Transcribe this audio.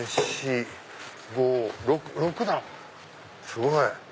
すごい。